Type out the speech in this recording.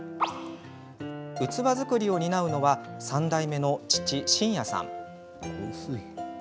器作りを担うのは３代目の父、眞也さん。